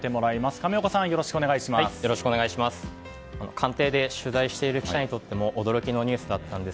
亀岡さん、よろしくお願いします。